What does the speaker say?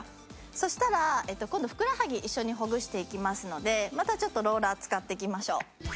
そしたら今度ふくらはぎ一緒にほぐしていきますのでまたちょっとローラー使っていきましょう。